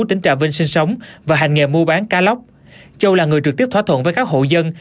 tỉnh trà vinh sinh sống và hành nghề mua bán cá lóc châu là người trực tiếp thỏa thuận với các hộ dân